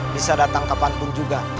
bisa datang kapanpun juga